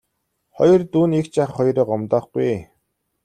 Хоёр дүү нь эгч ах хоёроо гомдоохгүй ээ.